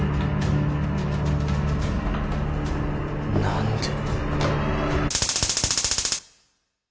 何で？